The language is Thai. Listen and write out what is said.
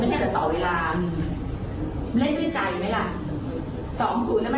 เราไม่ต้องไปรอชีวีแล้ว